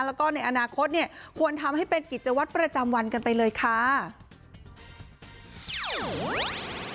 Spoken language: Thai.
แล้วก็ในอนาคตเนี่ยควรทำให้เป็นกิจวัตรประจำวันกันไปเลยค่ะ